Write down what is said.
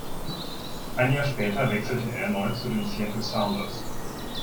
Ein Jahr später wechselte er erneut zu den Seattle Sounders.